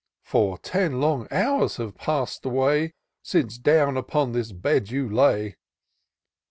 For ten long hours have pass'd away, Since down upon this bed you lay!"